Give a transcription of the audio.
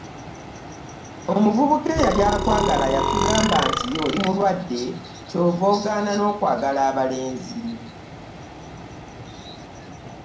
Omuvubuka eyali akwagala yatugamba nti oli mulwadde ky'ova ogaana n'okwagala abalenzi."